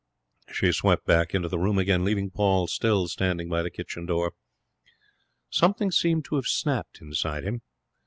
She swept back into the room again, leaving Paul still standing by the kitchen door. Something seemed to have snapped inside him.